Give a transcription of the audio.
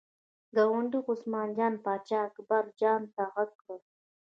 ګاونډي عثمان جان پاچا اکبر جان ته غږ کړل.